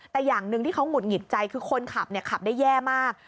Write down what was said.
แต่อย่างหนึ่งที่เขาหงุดหงิดใจคือคนขับขับได้แย่มาก